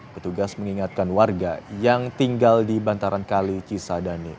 petugas mengingatkan warga yang tinggal di bantaran kali cisadane